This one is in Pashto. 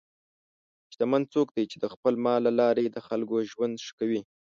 شتمن څوک دی چې د خپل مال له لارې د خلکو ژوند ښه کوي.